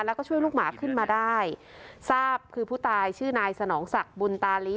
แล้วก็ช่วยลูกหมาขึ้นมาได้ทราบคือผู้ตายชื่อนายสนองศักดิ์บุญตาลี